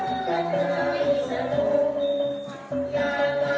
การทีลงเพลงสะดวกเพื่อความชุมภูมิของชาวไทย